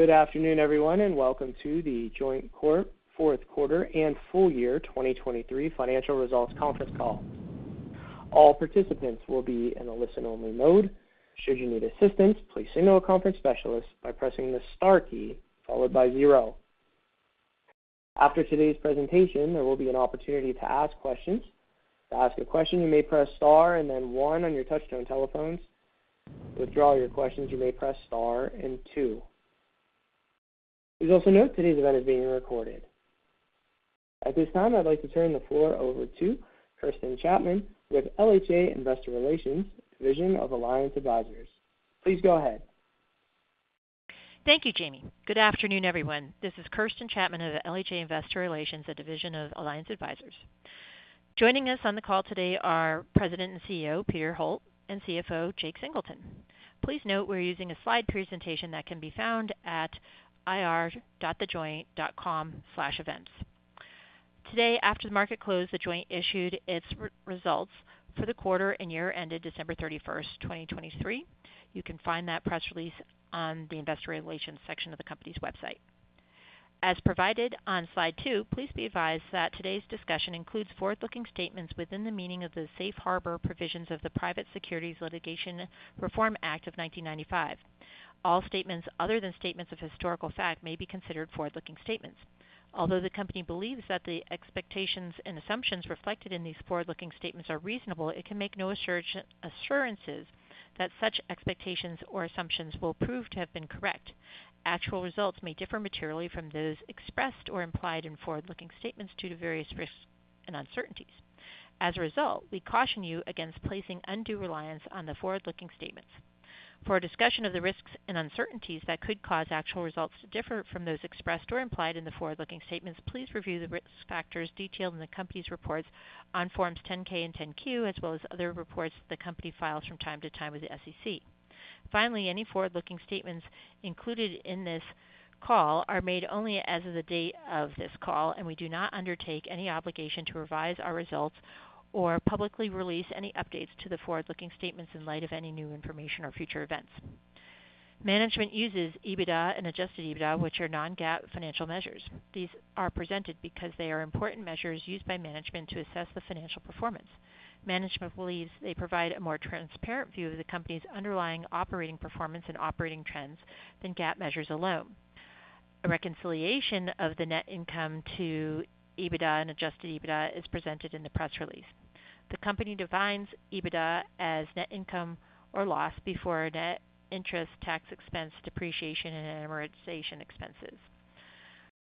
Good afternoon, everyone, and welcome to The Joint Corp. Fourth Quarter and Full Year 2023 Financial Results Conference Call. All participants will be in a listen-only mode. Should you need assistance, please signal a conference specialist by pressing the star key followed by zero. After today's presentation, there will be an opportunity to ask questions. To ask a question, you may press star and then 1 on your touch-tone telephones. To withdraw your questions, you may press star and two. Please also note today's event is being recorded. At this time, I'd like to turn the floor over to Kirsten Chapman with LHA Investor Relations, Division of Alliance Advisors. Please go ahead. Thank you, Jamie. Good afternoon, everyone. This is Kirsten Chapman of LHA Investor Relations, a Division of Alliance Advisors. Joining us on the call today are President and CEO Peter Holt and CFO Jake Singleton. Please note we're using a slide presentation that can be found at ir.thejoint.com/events. Today, after the market closed, The Joint issued its results for the quarter and year ended December 31st, 2023. You can find that press release on the Investor Relations section of the company's website. As provided on slide two, please be advised that today's discussion includes forward-looking statements within the meaning of the Safe Harbor provisions of the Private Securities Litigation Reform Act of 1995. All statements other than statements of historical fact may be considered forward-looking statements. Although the company believes that the expectations and assumptions reflected in these forward-looking statements are reasonable, it can make no assurances that such expectations or assumptions will prove to have been correct. Actual results may differ materially from those expressed or implied in forward-looking statements due to various risks and uncertainties. As a result, we caution you against placing undue reliance on the forward-looking statements. For a discussion of the risks and uncertainties that could cause actual results to differ from those expressed or implied in the forward-looking statements, please review the risk factors detailed in the company's reports on Forms 10-K and 10-Q, as well as other reports the company files from time to time with the SEC. Finally, any forward-looking statements included in this call are made only as of the date of this call, and we do not undertake any obligation to revise our results or publicly release any updates to the forward-looking statements in light of any new information or future events. Management uses EBITDA and adjusted EBITDA, which are non-GAAP financial measures. These are presented because they are important measures used by management to assess the financial performance. Management believes they provide a more transparent view of the company's underlying operating performance and operating trends than GAAP measures alone. A reconciliation of the net income to EBITDA and adjusted EBITDA is presented in the press release. The company defines EBITDA as net income or loss before net interest, tax expense, depreciation, and amortization expenses.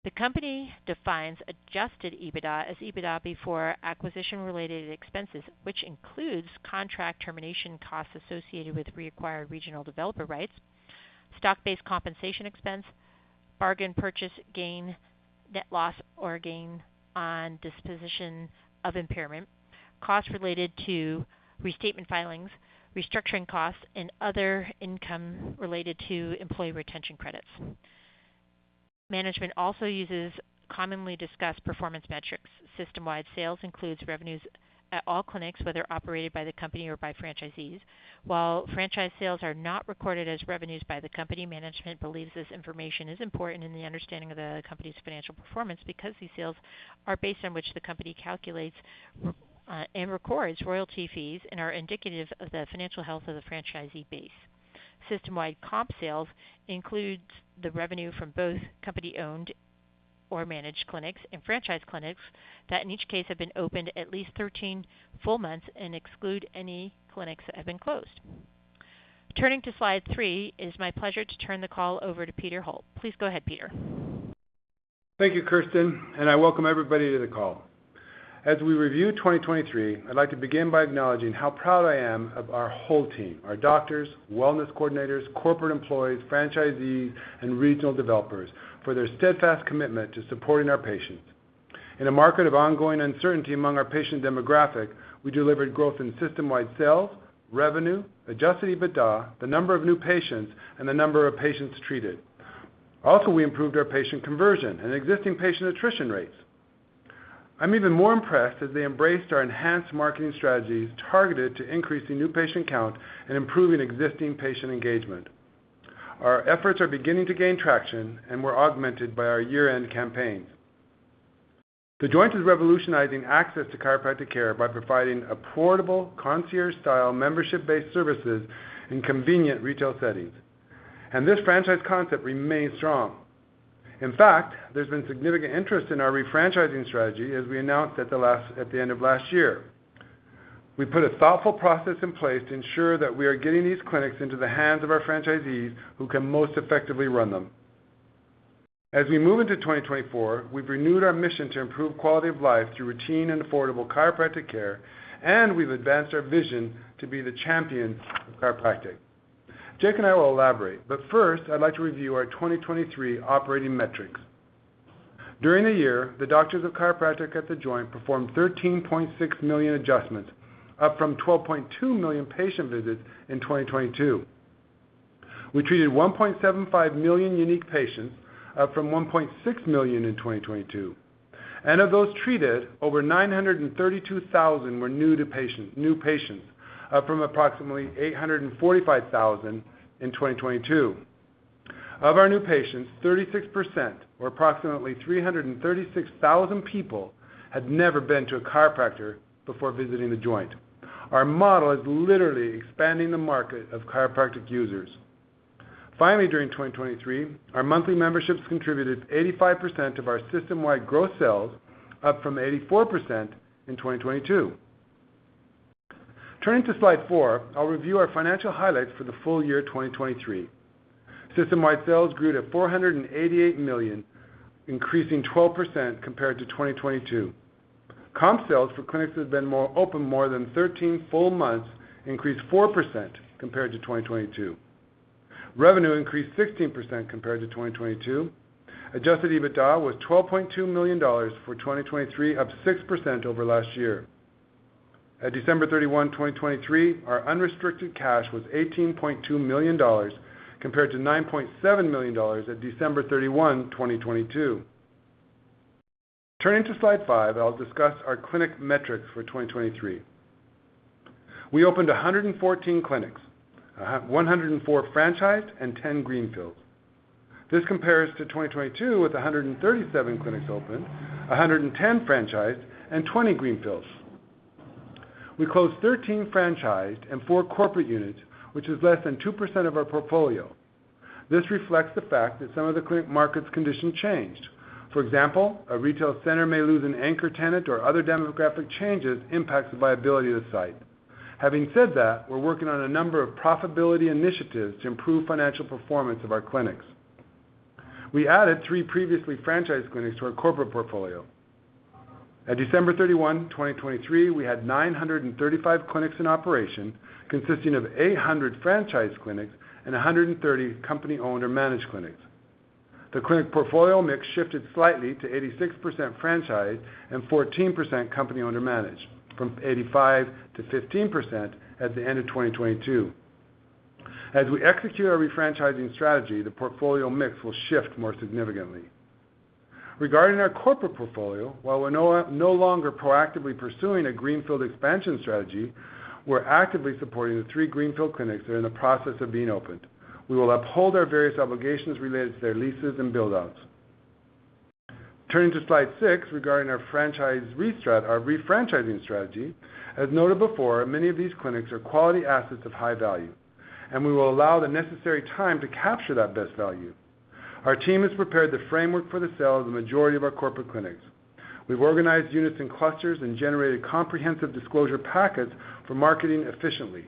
The company defines Adjusted EBITDA as EBITDA before acquisition-related expenses, which includes contract termination costs associated with reacquired regional developer rights, stock-based compensation expense, bargain purchase gain, net loss or gain on disposition or impairment, costs related to restatement filings, restructuring costs, and other income related to employee retention credits. Management also uses commonly discussed performance metrics. System-wide sales includes revenues at all clinics, whether operated by the company or by franchisees. While franchise sales are not recorded as revenues by the company, management believes this information is important in the understanding of the company's financial performance because these sales are based on which the company calculates and records royalty fees and are indicative of the financial health of the franchisee base. System-wide comp sales include the revenue from both company-owned or managed clinics and franchise clinics that, in each case, have been opened at least 13 full months and exclude any clinics that have been closed. Turning to slide three, it is my pleasure to turn the call over to Peter Holt. Please go ahead, Peter. Thank you, Kirsten, and I welcome everybody to the call. As we review 2023, I'd like to begin by acknowledging how proud I am of our whole team: our doctors, wellness coordinators, corporate employees, franchisees, and regional developers for their steadfast commitment to supporting our patients. In a market of ongoing uncertainty among our patient demographic, we delivered growth in system-wide sales, revenue, adjusted EBITDA, the number of new patients, and the number of patients treated. Also, we improved our patient conversion and existing patient attrition rates. I'm even more impressed as they embraced our enhanced marketing strategies targeted to increasing new patient count and improving existing patient engagement. Our efforts are beginning to gain traction, and we're augmented by our year-end campaigns. The Joint is revolutionizing access to chiropractic care by providing affordable concierge-style membership-based services in convenient retail settings, and this franchise concept remains strong. In fact, there's been significant interest in our refranchising strategy as we announced at the end of last year. We put a thoughtful process in place to ensure that we are getting these clinics into the hands of our franchisees who can most effectively run them. As we move into 2024, we've renewed our mission to improve quality of life through routine and affordable chiropractic care, and we've advanced our vision to be the champions of chiropractic. Jake and I will elaborate, but first, I'd like to review our 2023 operating metrics. During the year, the doctors of chiropractic at the Joint performed 13.6 million adjustments, up from 12.2 million patient visits in 2022. We treated 1.75 million unique patients, up from 1.6 million in 2022. Of those treated, over 932,000 were new patients, up from approximately 845,000 in 2022. Of our new patients, 36%, or approximately 336,000 people, had never been to a chiropractor before visiting The Joint. Our model is literally expanding the market of chiropractic users. Finally, during 2023, our monthly memberships contributed 85% of our system-wide growth sales, up from 84% in 2022. Turning to slide 4, I'll review our financial highlights for the full year 2023. System-wide sales grew to $488 million, increasing 12% compared to 2022. Comp sales for clinics that have been open more than 13 full months increased 4% compared to 2022. Revenue increased 16% compared to 2022. Adjusted EBITDA was $12.2 million for 2023, up 6% over last year. At December 31, 2023, our unrestricted cash was $18.2 million compared to $9.7 million at December 31, 2022. Turning to slide five, I'll discuss our clinic metrics for 2023. We opened 114 clinics, 104 franchised, and 10 greenfields. This compares to 2022 with 137 clinics open, 110 franchised, and 20 Greenfields. We closed 13 franchised and four corporate units, which is less than 2% of our portfolio. This reflects the fact that some of the clinic market's condition changed. For example, a retail center may lose an anchor tenant or other demographic changes impact the viability of the site. Having said that, we're working on a number of profitability initiatives to improve financial performance of our clinics. We added three previously franchised clinics to our corporate portfolio. At December 31, 2023, we had 935 clinics in operation, consisting of 800 franchised clinics and 130 company-owned or managed clinics. The clinic portfolio mix shifted slightly to 86% franchised and 14% company-owned or managed, from 85%-15% at the end of 2022. As we execute our refranchising strategy, the portfolio mix will shift more significantly. Regarding our corporate portfolio, while we're no longer proactively pursuing a greenfield expansion strategy, we're actively supporting the three greenfield clinics that are in the process of being opened. We will uphold our various obligations related to their leases and buildouts. Turning to slide six regarding our refranchising strategy, as noted before, many of these clinics are quality assets of high value, and we will allow the necessary time to capture that best value. Our team has prepared the framework for the sale of the majority of our corporate clinics. We've organized units in clusters and generated comprehensive disclosure packets for marketing efficiently.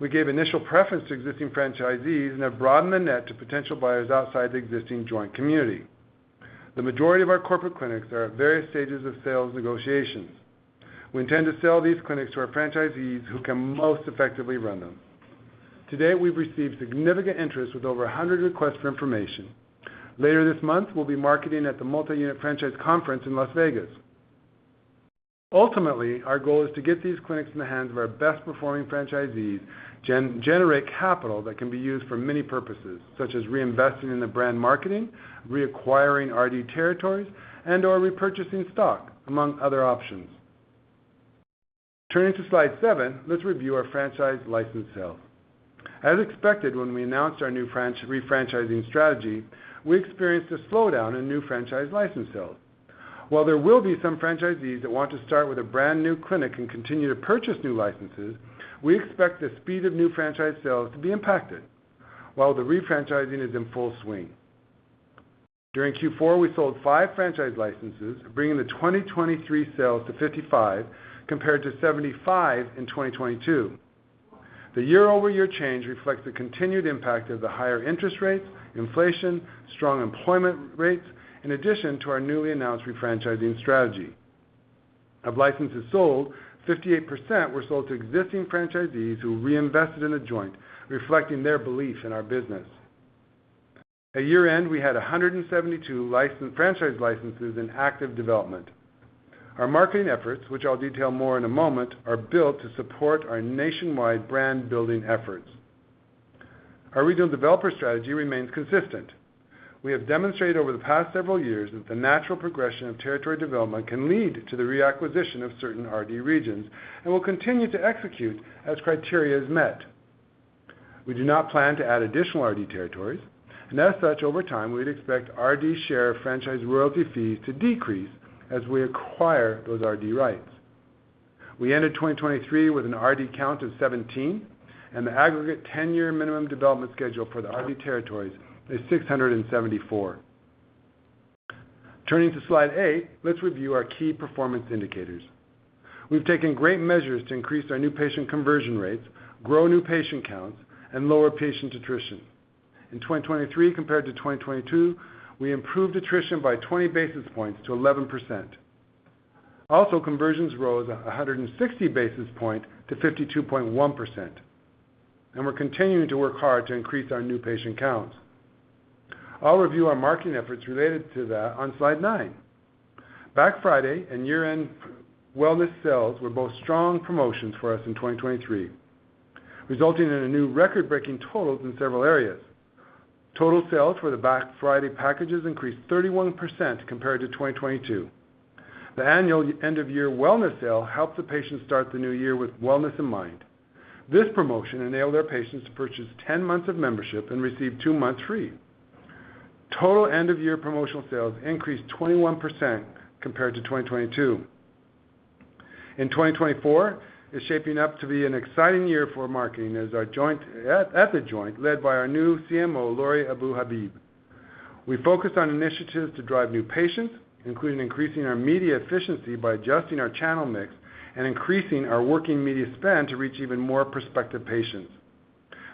We gave initial preference to existing franchisees and have broadened the net to potential buyers outside the existing Joint community. The majority of our corporate clinics are at various stages of sales negotiations. We intend to sell these clinics to our franchisees who can most effectively run them. Today, we've received significant interest with over 100 requests for information. Later this month, we'll be marketing at the Multi-Unit Franchise Conference in Las Vegas. Ultimately, our goal is to get these clinics in the hands of our best-performing franchisees, generate capital that can be used for many purposes, such as reinvesting in the brand marketing, reacquiring R&D territories, and/or repurchasing stock, among other options. Turning to slide seven, let's review our franchise license sales. As expected when we announced our new refranchising strategy, we experienced a slowdown in new franchise license sales. While there will be some franchisees that want to start with a brand new clinic and continue to purchase new licenses, we expect the speed of new franchise sales to be impacted while the refranchising is in full swing. During Q4, we sold five franchise licenses, bringing the 2023 sales to 55 compared to 75 in 2022. The year-over-year change reflects the continued impact of the higher interest rates, inflation, strong employment rates, in addition to our newly announced refranchising strategy. Of licenses sold, 58% were sold to existing franchisees who reinvested in the Joint, reflecting their belief in our business. At year-end, we had 172 franchise licenses in active development. Our marketing efforts, which I'll detail more in a moment, are built to support our nationwide brand-building efforts. Our regional developer strategy remains consistent. We have demonstrated over the past several years that the natural progression of territory development can lead to the reacquisition of certain R&D regions and will continue to execute as criteria is met. We do not plan to add additional R&D territories, and as such, over time, we'd expect R&D share of franchise royalty fees to decrease as we acquire those R&D rights. We ended 2023 with an R&D count of 17, and the aggregate 10-year minimum development schedule for the R&D territories is 674. Turning to slide eight, let's review our key performance indicators. We've taken great measures to increase our new patient conversion rates, grow new patient counts, and lower patient attrition. In 2023, compared to 2022, we improved attrition by 20 basis points to 11%. Also, conversions rose 160 basis points to 52.1%, and we're continuing to work hard to increase our new patient counts. I'll review our marketing efforts related to that on slide nine. Back Friday and year-end wellness sales were both strong promotions for us in 2023, resulting in a new record-breaking total in several areas. Total sales for the Back Friday packages increased 31% compared to 2022. The annual end-of-year wellness sale helped the patients start the new year with wellness in mind. This promotion enabled our patients to purchase 10 months of membership and receive two months free. Total end-of-year promotional sales increased 21% compared to 2022. In 2024, it's shaping up to be an exciting year for marketing as our team at The Joint, led by our new CMO, Lori Abou Habib. We focus on initiatives to drive new patients, including increasing our media efficiency by adjusting our channel mix and increasing our working media spend to reach even more prospective patients.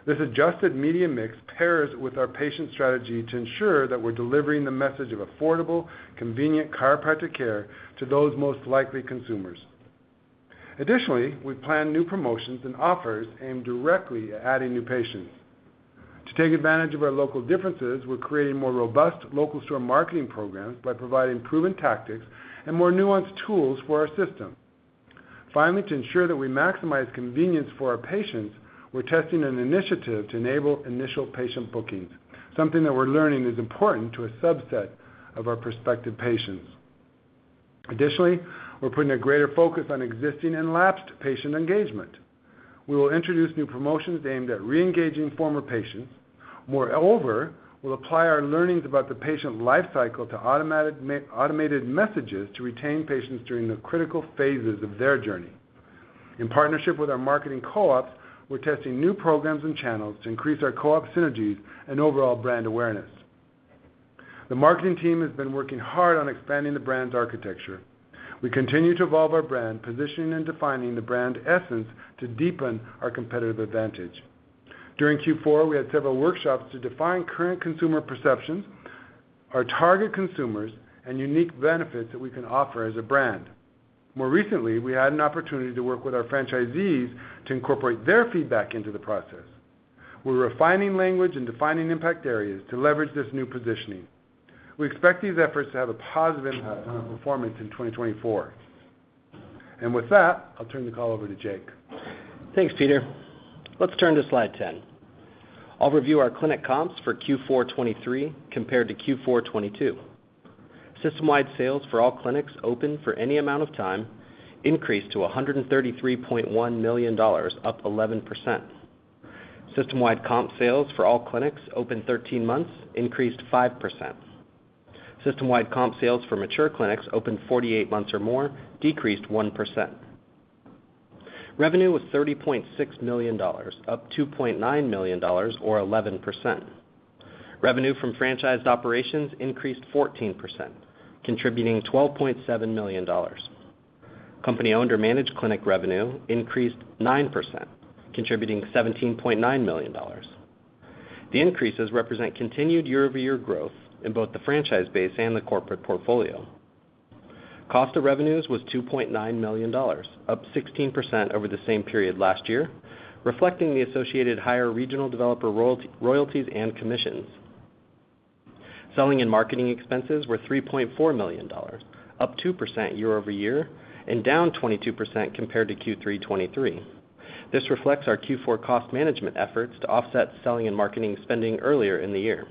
This adjusted media mix pairs with our patient strategy to ensure that we're delivering the message of affordable, convenient chiropractic care to those most likely consumers. Additionally, we plan new promotions and offers aimed directly at adding new patients. To take advantage of our local differences, we're creating more robust local store marketing programs by providing proven tactics and more nuanced tools for our system. Finally, to ensure that we maximize convenience for our patients, we're testing an initiative to enable initial patient bookings, something that we're learning is important to a subset of our prospective patients. Additionally, we're putting a greater focus on existing and lapsed patient engagement. We will introduce new promotions aimed at reengaging former patients. Moreover, we'll apply our learnings about the patient lifecycle to automated messages to retain patients during the critical phases of their journey. In partnership with our marketing co-ops, we're testing new programs and channels to increase our co-op synergies and overall brand awareness. The marketing team has been working hard on expanding the brand's architecture. We continue to evolve our brand, positioning and defining the brand essence to deepen our competitive advantage. During Q4, we had several workshops to define current consumer perceptions, our target consumers, and unique benefits that we can offer as a brand. More recently, we had an opportunity to work with our franchisees to incorporate their feedback into the process. We're refining language and defining impact areas to leverage this new positioning. We expect these efforts to have a positive impact on our performance in 2024. With that, I'll turn the call over to Jake. Thanks, Peter. Let's turn to slide 10. I'll review our clinic comps for Q4 2023 compared to Q4 2022. System-wide sales for all clinics open for any amount of time increased to $133.1 million, up 11%. System-wide comp sales for all clinics open 13 months increased 5%. System-wide comp sales for mature clinics open 48 months or more decreased 1%. Revenue was $30.6 million, up $2.9 million or 11%. Revenue from franchised operations increased 14%, contributing $12.7 million. Company-owned or managed clinic revenue increased 9%, contributing $17.9 million. The increases represent continued year-over-year growth in both the franchise base and the corporate portfolio. Cost of revenues was $2.9 million, up 16% over the same period last year, reflecting the associated higher regional developer royalties and commissions. Selling and marketing expenses were $3.4 million, up 2% year-over-year and down 22% compared to Q3 2023. This reflects our Q4 cost management efforts to offset selling and marketing spending earlier in the year.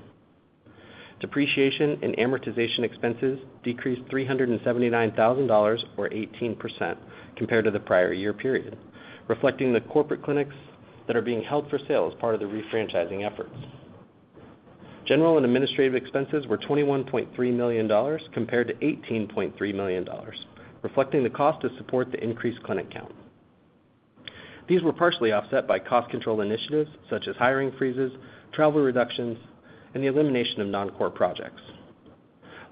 Depreciation and amortization expenses decreased $379,000 or 18% compared to the prior year period, reflecting the corporate clinics that are being held for sale as part of the refranchising efforts. General and administrative expenses were $21.3 million compared to $18.3 million, reflecting the cost to support the increased clinic count. These were partially offset by cost control initiatives such as hiring freezes, travel reductions, and the elimination of non-core projects.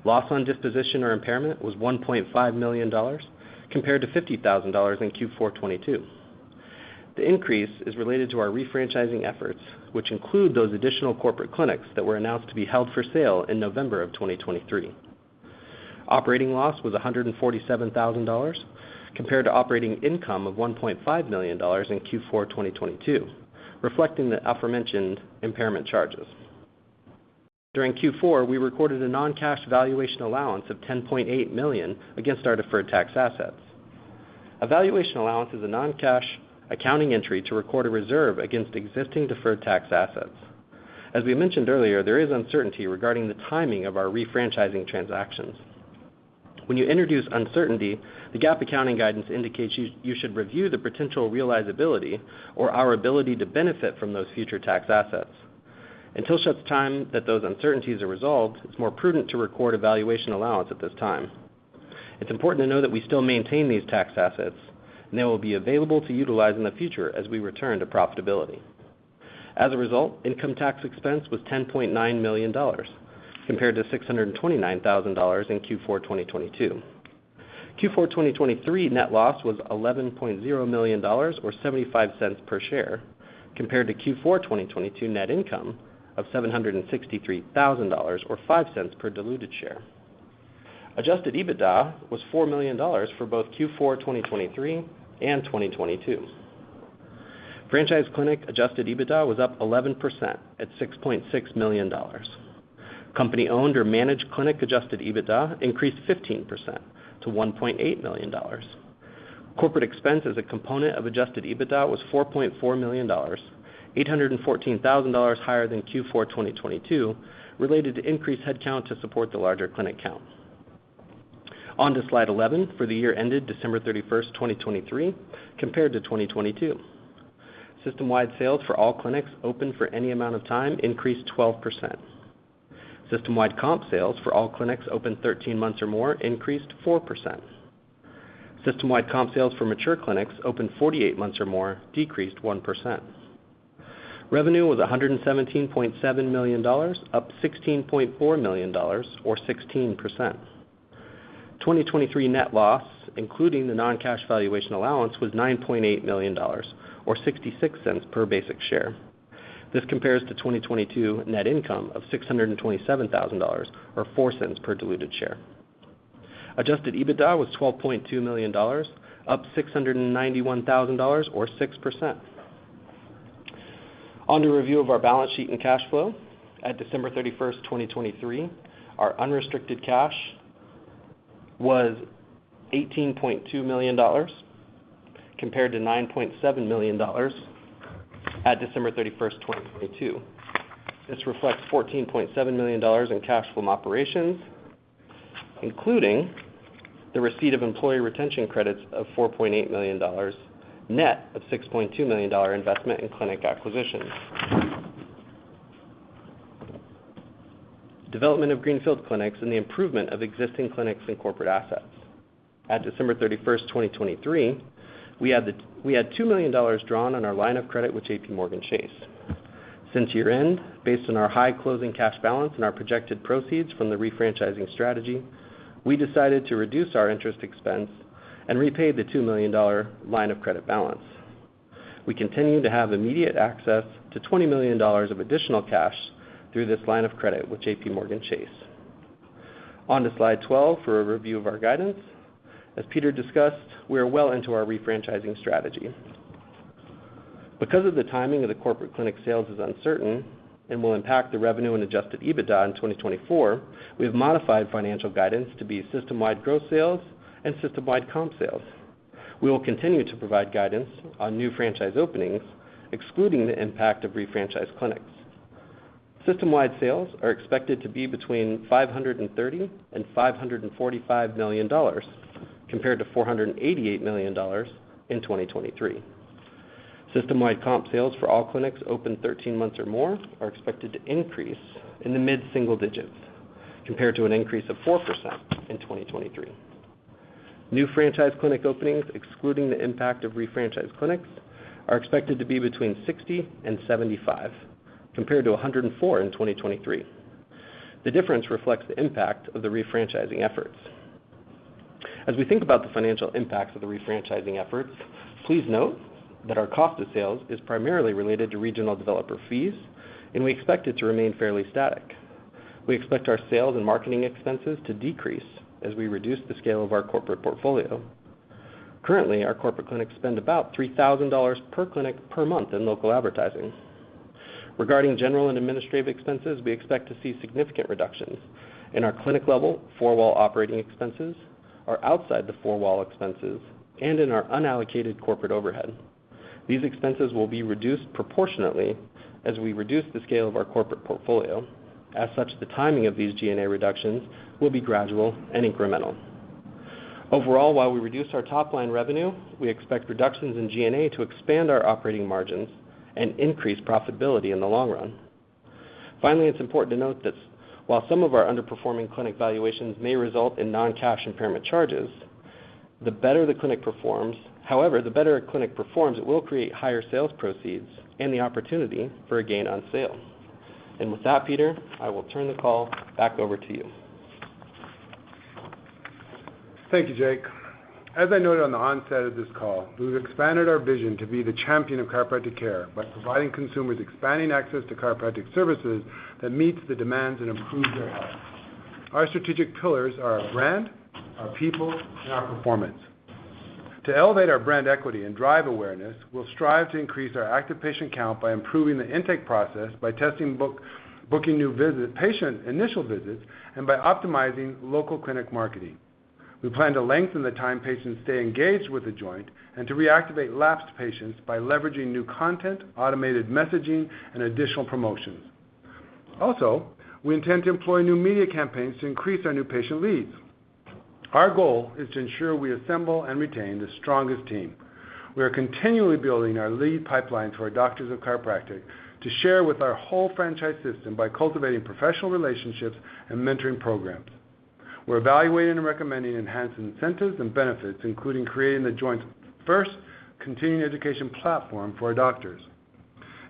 Loss on disposition or impairment was $1.5 million compared to $50,000 in Q4 2022. The increase is related to our refranchising efforts, which include those additional corporate clinics that were announced to be held for sale in November of 2023. Operating loss was $147,000 compared to operating income of $1.5 million in Q4 2022, reflecting the aforementioned impairment charges. During Q4, we recorded a non-cash valuation allowance of $10.8 million against our deferred tax assets. A valuation allowance is a non-cash accounting entry to record a reserve against existing deferred tax assets. As we mentioned earlier, there is uncertainty regarding the timing of our refranchising transactions. When you introduce uncertainty, the GAAP accounting guidance indicates you should review the potential realizability or our ability to benefit from those future tax assets. Until such time that those uncertainties are resolved, it's more prudent to record a valuation allowance at this time. It's important to know that we still maintain these tax assets, and they will be available to utilize in the future as we return to profitability. As a result, income tax expense was $10.9 million compared to $629,000 in Q4 2022. Q4 2023 net loss was $11.0 million or 75 cents per share compared to Q4 2022 net income of $763,000 or 5 cents per diluted share. Adjusted EBITDA was $4 million for both Q4 2023 and 2022. Franchise clinic adjusted EBITDA was up 11% at $6.6 million. Company-owned or managed clinic adjusted EBITDA increased 15% to $1.8 million. Corporate expense as a component of adjusted EBITDA was $4.4 million, $814,000 higher than Q4 2022, related to increased headcount to support the larger clinic count. On to slide 11 for the year-ended December 31st, 2023, compared to 2022. System-wide sales for all clinics open for any amount of time increased 12%. System-wide comp sales for all clinics open 13 months or more increased 4%. System-wide comp sales for mature clinics open 48 months or more decreased 1%. Revenue was $117.7 million, up $16.4 million or 16%. 2023 net loss, including the non-cash valuation allowance, was $9.8 million or $0.66 per basic share. This compares to 2022 net income of $627,000 or $0.04 per diluted share. Adjusted EBITDA was $12.2 million, up $691,000 or 6%. On to review of our balance sheet and cash flow. At December 31st, 2023, our unrestricted cash was $18.2 million compared to $9.7 million at December 31st, 2022. This reflects $14.7 million in cash flow operations, including the receipt of employee retention credits of $4.8 million, net of $6.2 million investment in clinic acquisitions, development of Greenfield clinics and the improvement of existing clinics and corporate assets. At December 31st, 2023, we had $2 million drawn on our line of credit with JPMorgan Chase. Since year-end, based on our high closing cash balance and our projected proceeds from the refranchising strategy, we decided to reduce our interest expense and repay the $2 million line of credit balance. We continue to have immediate access to $20 million of additional cash through this line of credit with JPMorgan Chase. On to slide 12 for a review of our guidance. As Peter discussed, we are well into our refranchising strategy. Because of the timing of the corporate clinic sales is uncertain and will impact the revenue and Adjusted EBITDA in 2024, we have modified financial guidance to be system-wide gross sales and system-wide comp sales. We will continue to provide guidance on new franchise openings, excluding the impact of refranchised clinics. System-wide sales are expected to be between $530 million-$545 million compared to $488 million in 2023. System-wide comp sales for all clinics open 13 months or more are expected to increase in the mid-single digits compared to an increase of 4% in 2023. New franchise clinic openings, excluding the impact of refranchised clinics, are expected to be between 60-75 compared to 104 in 2023. The difference reflects the impact of the refranchising efforts. As we think about the financial impacts of the refranchising efforts, please note that our cost of sales is primarily related to regional developer fees, and we expect it to remain fairly static. We expect our sales and marketing expenses to decrease as we reduce the scale of our corporate portfolio. Currently, our corporate clinics spend about $3,000 per clinic per month in local advertising. Regarding general and administrative expenses, we expect to see significant reductions in our clinic-level four-wall operating expenses, our outside-the-four-wall expenses, and in our unallocated corporate overhead. These expenses will be reduced proportionately as we reduce the scale of our corporate portfolio. As such, the timing of these G&A reductions will be gradual and incremental. Overall, while we reduce our top-line revenue, we expect reductions in G&A to expand our operating margins and increase profitability in the long run. Finally, it's important to note that while some of our underperforming clinic valuations may result in non-cash impairment charges, the better the clinic performs however, the better a clinic performs, it will create higher sales proceeds and the opportunity for a gain on sale. With that, Peter, I will turn the call back over to you. Thank you, Jake. As I noted on the onset of this call, we've expanded our vision to be the champion of chiropractic care by providing consumers expanding access to chiropractic services that meets the demands and improves their health. Our strategic pillars are our brand, our people, and our performance. To elevate our brand equity and drive awareness, we'll strive to increase our active patient count by improving the intake process by testing booking patient initial visits and by optimizing local clinic marketing. We plan to lengthen the time patients stay engaged with The Joint and to reactivate lapsed patients by leveraging new content, automated messaging, and additional promotions. Also, we intend to employ new media campaigns to increase our new patient leads. Our goal is to ensure we assemble and retain the strongest team. We are continually building our lead pipeline for our doctors of chiropractic to share with our whole franchise system by cultivating professional relationships and mentoring programs. We're evaluating and recommending enhanced incentives and benefits, including creating The Joint's first continuing education platform for our doctors.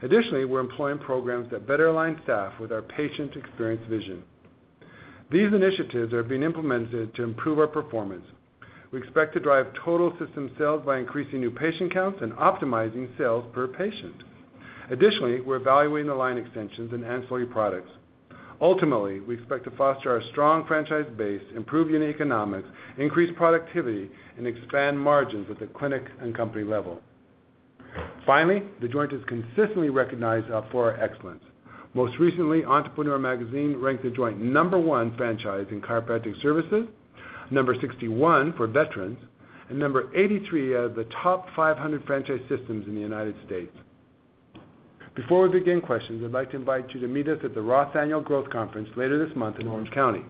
Additionally, we're employing programs that better align staff with our patient experience vision. These initiatives are being implemented to improve our performance. We expect to drive total system sales by increasing new patient counts and optimizing sales per patient. Additionally, we're evaluating the line extensions and ancillary products. Ultimately, we expect to foster our strong franchise base, improve unit economics, increase productivity, and expand margins at the clinic and company level. Finally, The Joint is consistently recognized for our excellence. Most recently, Entrepreneur Magazine ranked The Joint number one franchise in chiropractic services, number 61 for veterans, and number 83 as the top 500 franchise systems in the United States. Before we begin questions, I'd like to invite you to meet us at the Roth Annual Growth Conference later this month in Orange County.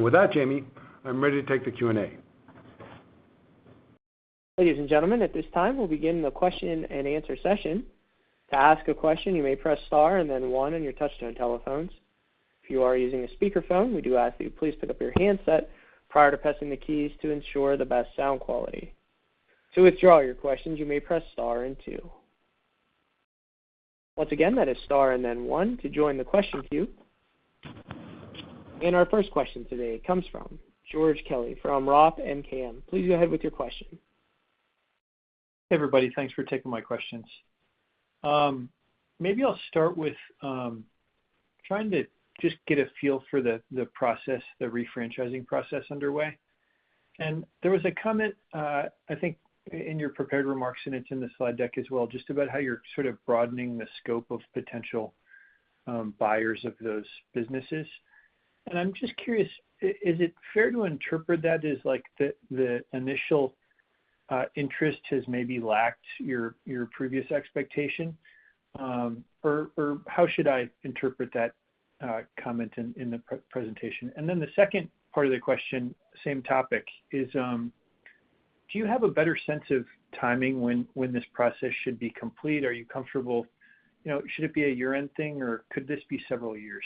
With that, Jamie, I'm ready to take the Q&A. Ladies and gentlemen, at this time, we'll begin the question and answer session. To ask a question, you may press star and then one, and if you're using a touch-tone telephone. If you are using a speakerphone, we do ask that you please pick up your handset prior to pressing the keys to ensure the best sound quality. To withdraw your questions, you may press star and two. Once again, that is star and then one to join the question queue. And our first question today comes from George Kelly from Roth MKM. Please go ahead with your question. Hey, everybody. Thanks for taking my questions. Maybe I'll start with trying to just get a feel for the refranchising process underway. And there was a comment, I think, in your prepared remarks, and it's in the slide deck as well, just about how you're sort of broadening the scope of potential buyers of those businesses. And I'm just curious, is it fair to interpret that as the initial interest has maybe lacked your previous expectation? Or how should I interpret that comment in the presentation? And then the second part of the question, same topic, is do you have a better sense of timing when this process should be complete? Are you comfortable should it be a year-end thing, or could this be several years?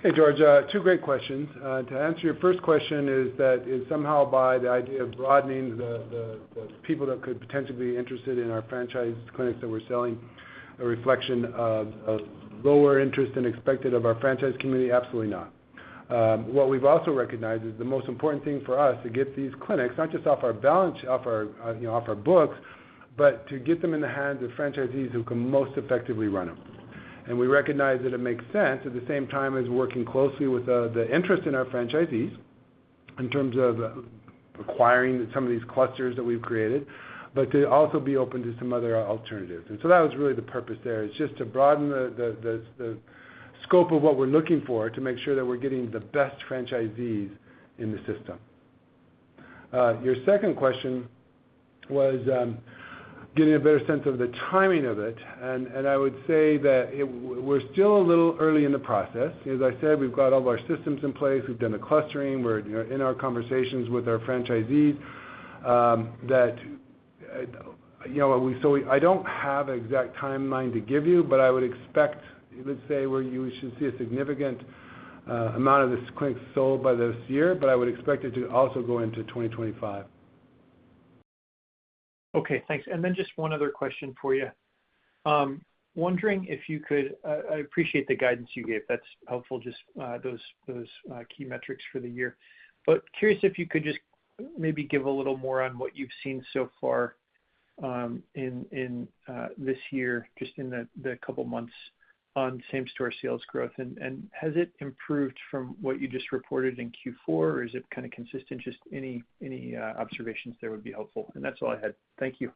Hey, George. Two great questions. To answer your first question, is that somehow by the idea of broadening the people that could potentially be interested in our franchise clinics that we're selling a reflection of lower interest than expected of our franchise community? Absolutely not. What we've also recognized is the most important thing for us to get these clinics not just off our balance off our books, but to get them in the hands of franchisees who can most effectively run them. We recognize that it makes sense at the same time as working closely with the interest in our franchisees in terms of acquiring some of these clusters that we've created, but to also be open to some other alternatives. So that was really the purpose there, is just to broaden the scope of what we're looking for to make sure that we're getting the best franchisees in the system. Your second question was getting a better sense of the timing of it. I would say that we're still a little early in the process. As I said, we've got all of our systems in place. We've done the clustering. We're in our conversations with our franchisees. So, I don't have an exact timeline to give you, but I would expect, let's say, we should see a significant amount of this clinic sold by this year, but I would expect it to also go into 2025. Okay. Thanks. And then just one other question for you. Wondering if you could. I appreciate the guidance you gave. That's helpful, just those key metrics for the year. But curious if you could just maybe give a little more on what you've seen so far in this year, just in the couple of months, on same-store sales growth. And has it improved from what you just reported in Q4, or is it kind of consistent? Just any observations there would be helpful. And that's all I had. Thank you.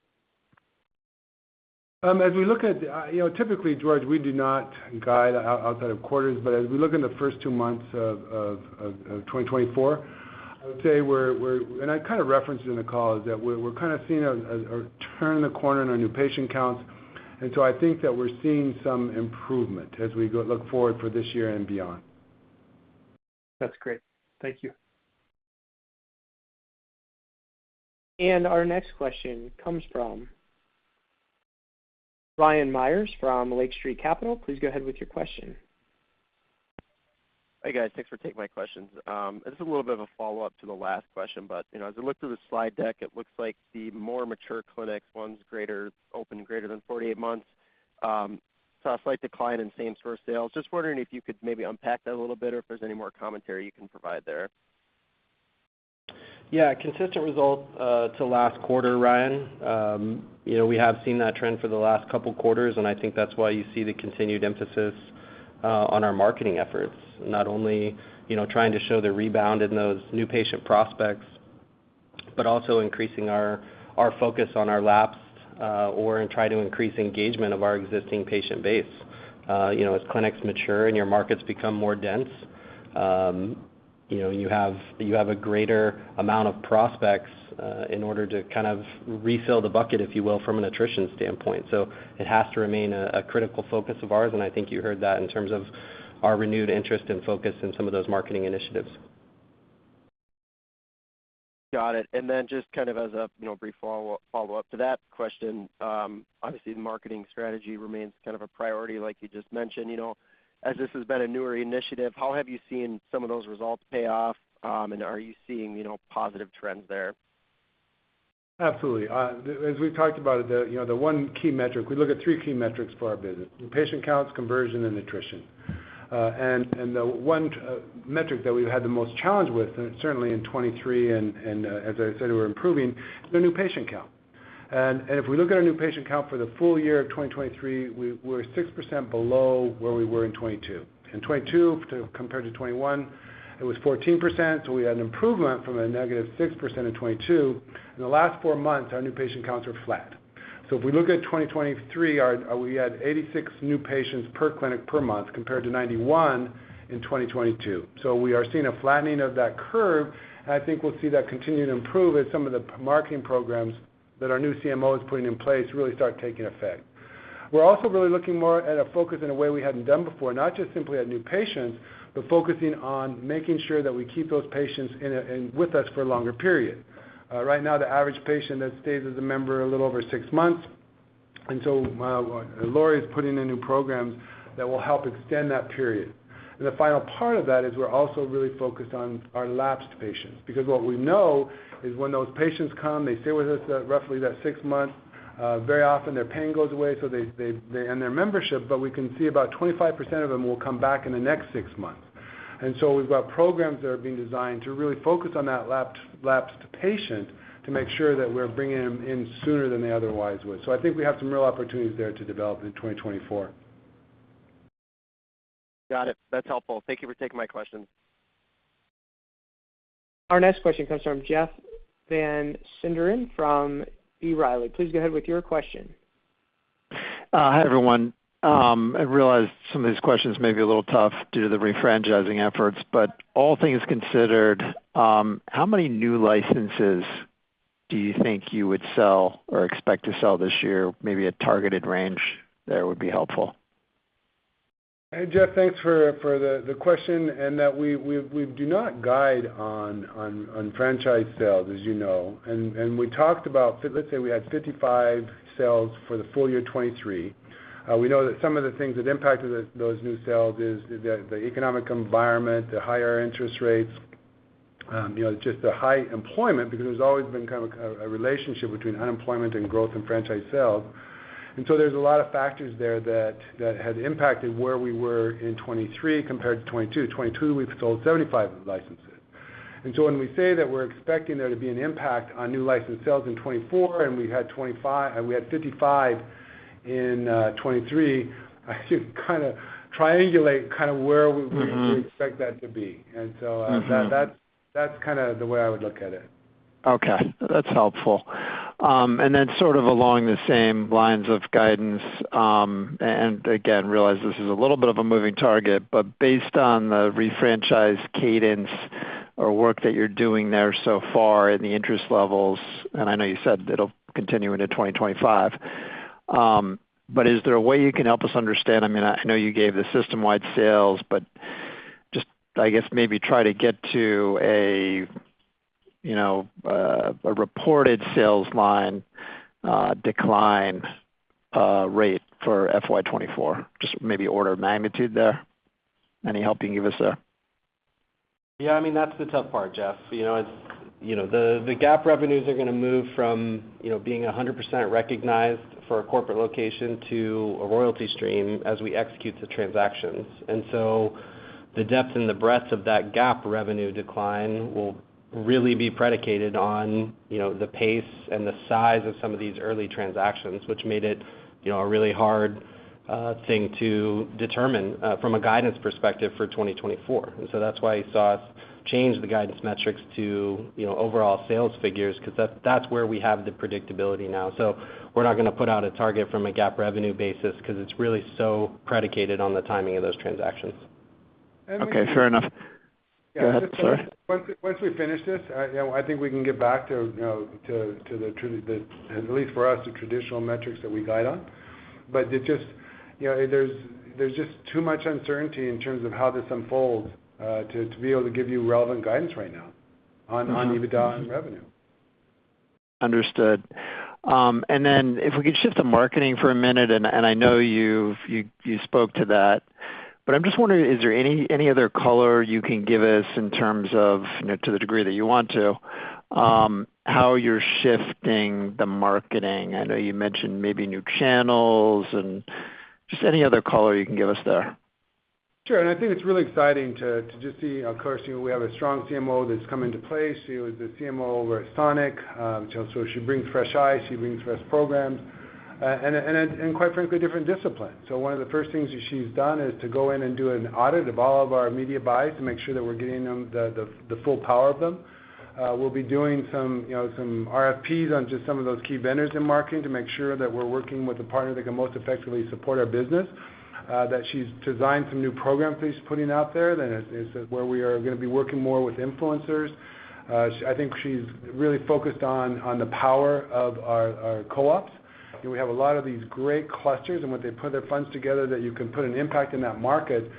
As we look at, typically, George, we do not guide outside of quarters. But as we look in the first two months of 2024, I would say we're, and I kind of referenced it in the call, is that we're kind of seeing a turning the corner in our new patient counts. And so I think that we're seeing some improvement as we look forward for this year and beyond. That's great. Thank you. And our next question comes from Ryan Meyers from Lake Street Capital. Please go ahead with your question. Hey, guys. Thanks for taking my questions. This is a little bit of a follow-up to the last question. But as I look through the slide deck, it looks like the more mature clinics, ones open greater than 48 months, saw a slight decline in same-store sales. Just wondering if you could maybe unpack that a little bit or if there's any more commentary you can provide there. Yeah. Consistent results to last quarter, Ryan. We have seen that trend for the last couple of quarters, and I think that's why you see the continued emphasis on our marketing efforts, not only trying to show the rebound in those new patient prospects, but also increasing our focus on our lapsed or in trying to increase engagement of our existing patient base. As clinics mature and your markets become more dense, you have a greater amount of prospects in order to kind of refill the bucket, if you will, from a nutrition standpoint. So it has to remain a critical focus of ours. And I think you heard that in terms of our renewed interest and focus in some of those marketing initiatives. Got it. And then just kind of as a brief follow-up to that question, obviously, the marketing strategy remains kind of a priority, like you just mentioned. As this has been a newer initiative, how have you seen some of those results pay off, and are you seeing positive trends there? Absolutely. As we talked about it, the one key metric we look at three key metrics for our business: new patient counts, conversion, and nutrition. And the one metric that we've had the most challenge with, certainly in 2023, and as I said, we're improving, is our new patient count. And if we look at our new patient count for the full year of 2023, we're 6% below where we were in 2022. In 2022, compared to 2021, it was 14%. So we had an improvement from a -6% in 2022. In the last four months, our new patient counts were flat. So if we look at 2023, we had 86 new patients per clinic per month compared to 91 in 2022. So we are seeing a flattening of that curve. I think we'll see that continue to improve as some of the marketing programs that our new CMO is putting in place really start taking effect. We're also really looking more at a focus in a way we hadn't done before, not just simply at new patients, but focusing on making sure that we keep those patients with us for a longer period. Right now, the average patient that stays as a member is a little over six months. So Lori is putting in new programs that will help extend that period. The final part of that is we're also really focused on our lapsed patients because what we know is when those patients come, they stay with us roughly that six months. Very often, their pain goes away, and their membership. But we can see about 25% of them will come back in the next six months. And so we've got programs that are being designed to really focus on that lapsed patient to make sure that we're bringing them in sooner than they otherwise would. So I think we have some real opportunities there to develop in 2024. Got it. That's helpful. Thank you for taking my questions. Our next question comes from Jeff Van Sinderen from B. Riley. Please go ahead with your question. Hi, everyone. I realize some of these questions may be a little tough due to the refranchising efforts. But all things considered, how many new licenses do you think you would sell or expect to sell this year? Maybe a targeted range there would be helpful. Hey, Jeff. Thanks for the question. And we do not guide on franchise sales, as you know. We talked about, let's say, we had 55 sales for the full year 2023. We know that some of the things that impacted those new sales is the economic environment, the higher interest rates, just the high employment because there's always been kind of a relationship between unemployment and growth in franchise sales. So there's a lot of factors there that had impacted where we were in 2023 compared to 2022. 2022, we sold 75 licenses. So when we say that we're expecting there to be an impact on new license sales in 2024 and we had 55 in 2023, you kind of triangulate kind of where we expect that to be. So that's kind of the way I would look at it. Okay. That's helpful. Then sort of along the same lines of guidance and again, realize this is a little bit of a moving target, but based on the refranchise cadence or work that you're doing there so far and the interest levels and I know you said it'll continue into 2025. But is there a way you can help us understand? I mean, I know you gave the system-wide sales, but just, I guess, maybe try to get to a reported sales line decline rate for FY24, just maybe order magnitude there. Any help you can give us there? Yeah. I mean, that's the tough part, Jeff. The GAAP revenues are going to move from being 100% recognized for a corporate location to a royalty stream as we execute the transactions. So the depth and the breadth of that gap revenue decline will really be predicated on the pace and the size of some of these early transactions, which made it a really hard thing to determine from a guidance perspective for 2024. So that's why you saw us change the guidance metrics to overall sales figures because that's where we have the predictability now. We're not going to put out a target from a gap revenue basis because it's really so predicated on the timing of those transactions. Okay. Fair enough. Go ahead. Sorry. Once we finish this, I think we can get back to the at least for us, the traditional metrics that we guide on. But there's just too much uncertainty in terms of how this unfolds to be able to give you relevant guidance right now on EBITDA and revenue. Understood. And then if we could shift to marketing for a minute and I know you spoke to that. But I'm just wondering, is there any other color you can give us in terms of to the degree that you want to, how you're shifting the marketing? I know you mentioned maybe new channels and just any other color you can give us there. Sure. And I think it's really exciting to just see of course, we have a strong CMO that's come into place. She was the CMO over at SONIC, so she brings fresh eyes. She brings fresh programs and, quite frankly, different disciplines. So one of the first things she's done is to go in and do an audit of all of our media buys to make sure that we're getting the full power of them. We'll be doing some RFPs on just some of those key vendors in marketing to make sure that we're working with a partner that can most effectively support our business, that she's designed some new programs that she's putting out there, that it's where we are going to be working more with influencers. I think she's really focused on the power of our co-ops. We have a lot of these great clusters, and when they put their funds together, that you can put an impact in that market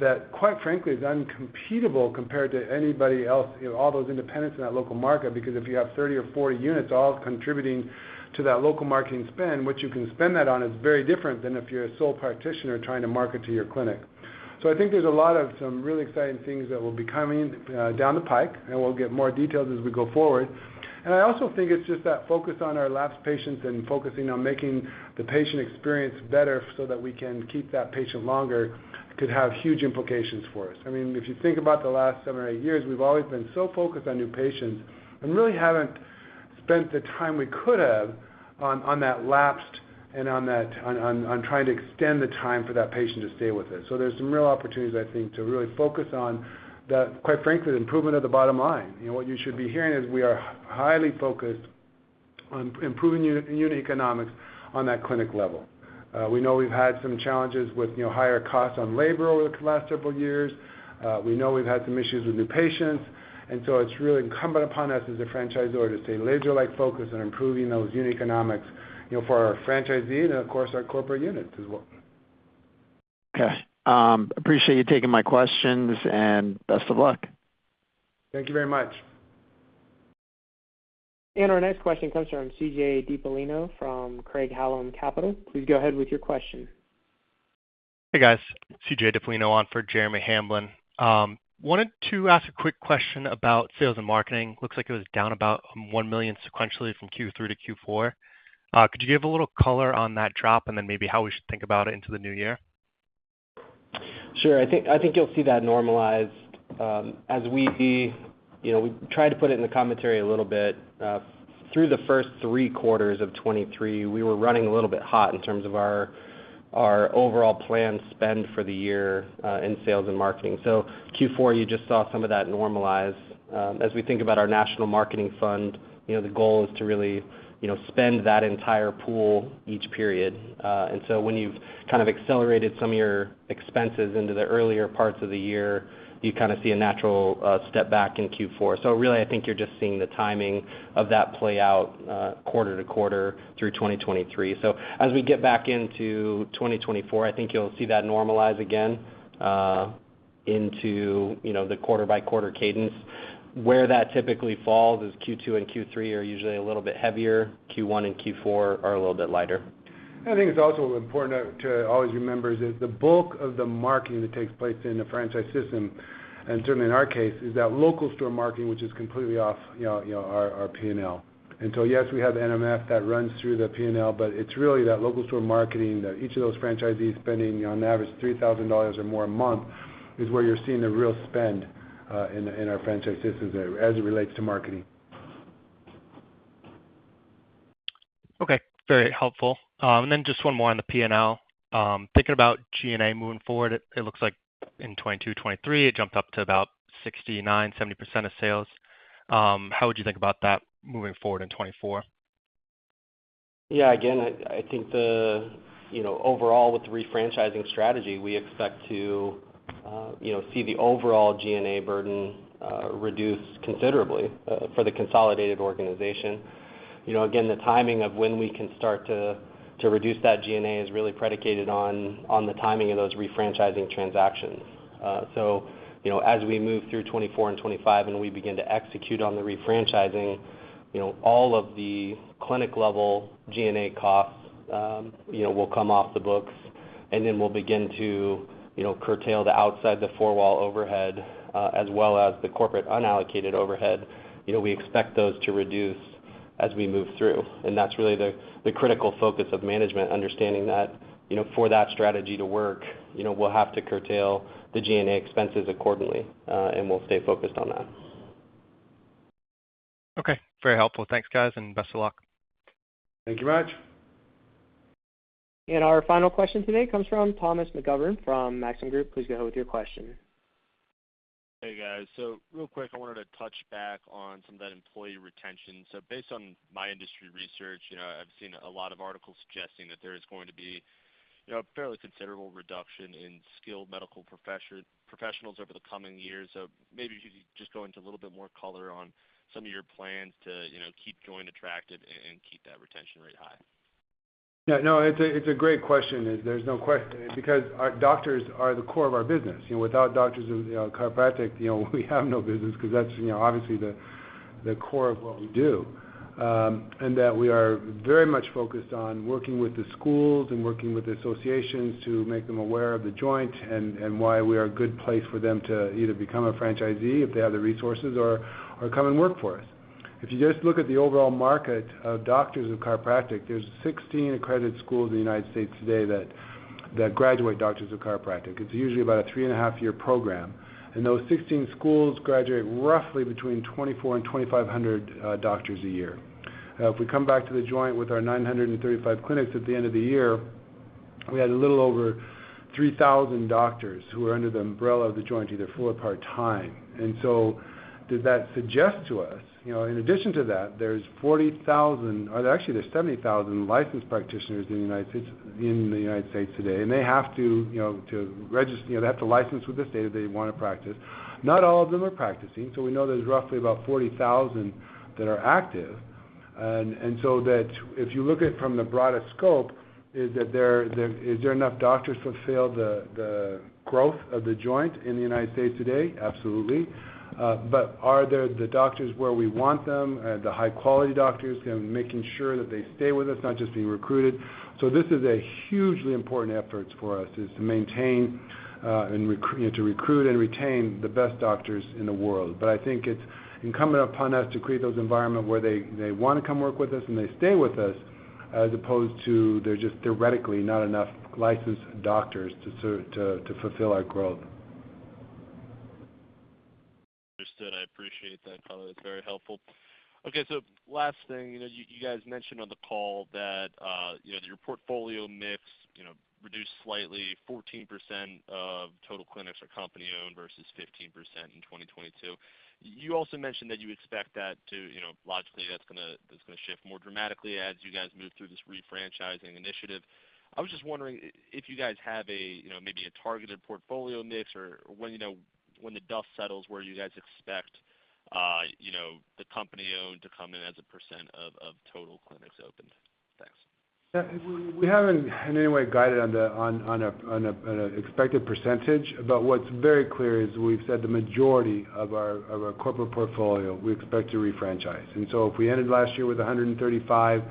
that, quite frankly, is incomparable compared to anybody else, all those independents in that local market because if you have 30 or 40 units all contributing to that local marketing spend, what you can spend that on is very different than if you're a sole practitioner trying to market to your clinic. So I think there's a lot of some really exciting things that will be coming down the pike, and we'll get more details as we go forward. I also think it's just that focus on our lapsed patients and focusing on making the patient experience better so that we can keep that patient longer could have huge implications for us. I mean, if you think about the last seven or eight years, we've always been so focused on new patients and really haven't spent the time we could have on that lapsed and on trying to extend the time for that patient to stay with us. So there's some real opportunities, I think, to really focus on the, quite frankly, the improvement of the bottom line. What you should be hearing is we are highly focused on improving unit economics on that clinic level. We know we've had some challenges with higher costs on labor over the last several years. We know we've had some issues with new patients. And so it's really incumbent upon us as a franchisor to stay laser-like focused on improving those unit economics for our franchisee and, of course, our corporate units as well. Okay. Appreciate you taking my questions, and best of luck. Thank you very much. And our next question comes from CJ Dipollino from Craig-Hallum Capital. Please go ahead with your question. Hey, guys. CJ Dipollino on for Jeremy Hamblin. Wanted to ask a quick question about sales and marketing. Looks like it was down about $1 million sequentially from Q3 to Q4. Could you give a little color on that drop and then maybe how we should think about it into the new year? Sure. I think you'll see that normalized. As we tried to put it in the commentary a little bit. Through the first three quarters of 2023, we were running a little bit hot in terms of our overall planned spend for the year in sales and marketing. So Q4, you just saw some of that normalize. As we think about our national marketing fund, the goal is to really spend that entire pool each period. And so when you've kind of accelerated some of your expenses into the earlier parts of the year, you kind of see a natural step back in Q4. So really, I think you're just seeing the timing of that play out quarter to quarter through 2023. So as we get back into 2024, I think you'll see that normalize again into the quarter-by-quarter cadence. Where that typically falls is Q2 and Q3 are usually a little bit heavier. Q1 and Q4 are a little bit lighter. And I think it's also important to always remember is that the bulk of the marketing that takes place in the franchise system, and certainly in our case, is that local store marketing, which is completely off our P&L. And so yes, we have NMF that runs through the P&L, but it's really that local store marketing that each of those franchisees spending, on average, $3,000 or more a month is where you're seeing the real spend in our franchise systems as it relates to marketing. Okay. Very helpful. And then just one more on the P&L. Thinking about G&A moving forward, it looks like in 2022, 2023, it jumped up to about 69%-70% of sales. How would you think about that moving forward in 2024? Yeah. Again, I think overall, with the refranchising strategy, we expect to see the overall G&A burden reduced considerably for the consolidated organization. Again, the timing of when we can start to reduce that G&A is really predicated on the timing of those refranchising transactions. So as we move through 2024 and 2025 and we begin to execute on the refranchising, all of the clinic-level G&A costs will come off the books. And then we'll begin to curtail the outside-the-four-wall overhead as well as the corporate unallocated overhead. We expect those to reduce as we move through. And that's really the critical focus of management, understanding that for that strategy to work, we'll have to curtail the G&A expenses accordingly, and we'll stay focused on that. Okay. Very helpful. Thanks, guys, and best of luck. Thank you much. And our final question today comes from Thomas McGovern from Maxim Group. Please go ahead with your question. Hey, guys. So real quick, I wanted to touch back on some of that employee retention. So based on my industry research, I've seen a lot of articles suggesting that there is going to be a fairly considerable reduction in skilled medical professionals over the coming years. So maybe if you could just go into a little bit more color on some of your plans to keep The Joint attractive and keep that retention rate high. Yeah. No. It's a great question because doctors are the core of our business. Without doctors and chiropractic, we have no business because that's, obviously, the core of what we do and that we are very much focused on working with the schools and working with associations to make them aware of The Joint and why we are a good place for them to either become a franchisee if they have the resources or come and work for us. If you just look at the overall market of doctors of chiropractic, there's 16 accredited schools in the United States today that graduate doctors of chiropractic. It's usually about a 3.5-year program. Those 16 schools graduate roughly between 2,400 and 2,500 doctors a year. If we come back to The Joint with our 935 clinics at the end of the year, we had a little over 3,000 doctors who are under the umbrella of The Joint either full or part-time. And so did that suggest to us? In addition to that, there's 40,000, actually, there's 70,000 licensed practitioners in the United States today, and they have to register. They have to license with the state if they want to practice. Not all of them are practicing. So we know there's roughly about 40,000 that are active. And so if you look at it from the broadest scope, is there enough doctors to fulfill the growth of the Joint in the United States today? Absolutely. But are there the doctors where we want them, the high-quality doctors, making sure that they stay with us, not just being recruited? So this is a hugely important effort for us: to maintain and to recruit and retain the best doctors in the world. But I think it's incumbent upon us to create those environments where they want to come work with us and they stay with us as opposed to there just theoretically not enough licensed doctors to fulfill our growth. Understood. I appreciate that color. It's very helpful. Okay. So last thing, you guys mentioned on the call that your portfolio mix reduced slightly, 14% of total clinics are company-owned versus 15% in 2022. You also mentioned that you expect that to logically, that's going to shift more dramatically as you guys move through this refranchising initiative. I was just wondering if you guys have maybe a targeted portfolio mix or when the dust settles, where you guys expect the company-owned to come in as a % of total clinics opened. Thanks. Yeah. We haven't, in any way, guided on an expected percentage. But what's very clear is we've said the majority of our corporate portfolio, we expect to refranchise. And so if we ended last year with 135,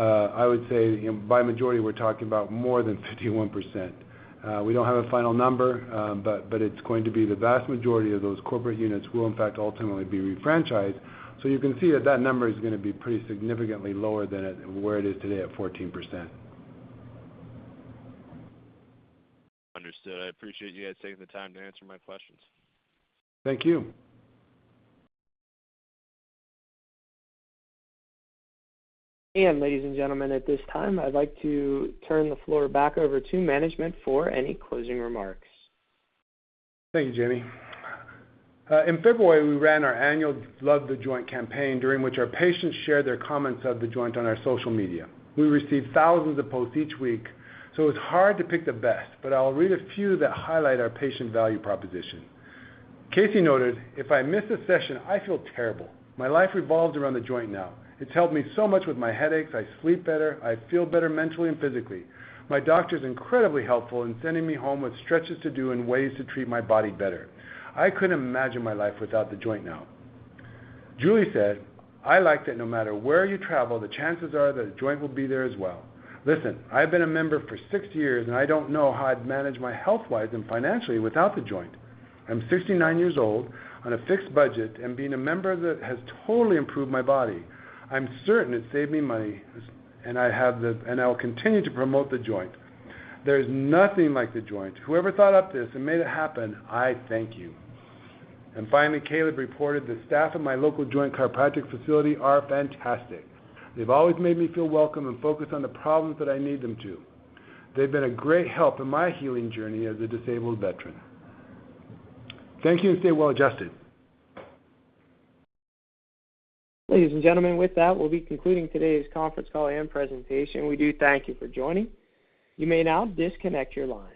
I would say by majority, we're talking about more than 51%. We don't have a final number, but it's going to be the vast majority of those corporate units will, in fact, ultimately be refranchised. So you can see that that number is going to be pretty significantly lower than where it is today at 14%. Understood. I appreciate you guys taking the time to answer my questions. Thank you. And ladies and gentlemen, at this time, I'd like to turn the floor back over to management for any closing remarks. Thank you, Jamie. In February, we ran our annual Love the Joint campaign, during which our patients shared their comments of the Joint on our social media. We received thousands of posts each week, so it was hard to pick the best. But I'll read a few that highlight our patient value proposition. Casey noted, "If I miss a session, I feel terrible. My life revolves around the joint now. It's helped me so much with my headaches. I sleep better. I feel better mentally and physically. My doctor's incredibly helpful in sending me home with stretches to do and ways to treat my body better. I couldn't imagine my life without the joint now." Julie said, "I like that no matter where you travel, the chances are that the joint will be there as well. Listen, I've been a member for six years, and I don't know how I'd manage my health-wise and financially without the joint. I'm 69 years old on a fixed budget and being a member has totally improved my body. I'm certain it saved me money, and I'll continue to promote the Joint. There's nothing like the Joint. Whoever thought up this and made it happen, I thank you." And finally, Caleb reported, "The staff at my local Joint Chiropractic facility are fantastic. They've always made me feel welcome and focused on the problems that I need them to. They've been a great help in my healing journey as a disabled veteran. Thank you and stay well adjusted." Ladies and gentlemen, with that, we'll be concluding today's conference call and presentation. We do thank you for joining. You may now disconnect your line.